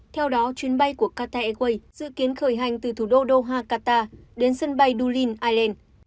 theo đó chuyến bay của qatar airways dự kiến khởi hành từ thủ đô doha qatar đến sân bay du lịch ireland